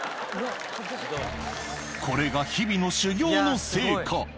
これが日々の修行の成果。